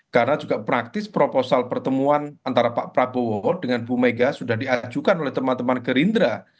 karena juga praktis proposal pertemuan antara pak prabowo dengan bumega sudah diajukan oleh teman teman gerindra